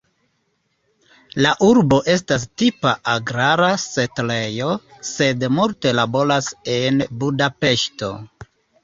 La urbo estas tipa agrara setlejo, sed multe laboras en Budapeŝto.